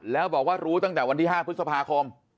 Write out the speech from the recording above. แล้วบอกว่ารู้ตั้งแต่วันที่๕พฤษภาคม